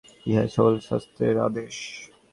ইহাই সকল ভারতীয় শাস্ত্রের আদেশ।